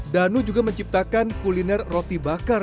danu juga menciptakan kuliner roti bakar